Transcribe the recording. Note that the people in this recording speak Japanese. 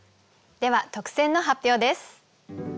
では特選の発表です。